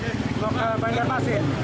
ke bandar masih